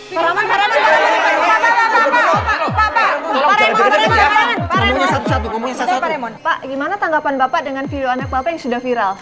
pak gimana tanggapan bapak dengan video anak bapak yang sudah viral